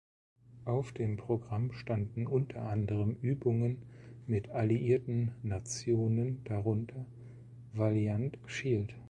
Auf dem Programm standen unter anderem Übungen mit alliierten Nationen, darunter Valiant Shield.